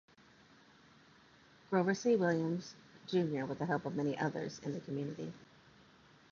Grover C. Williams, Junior with help from many others in the community.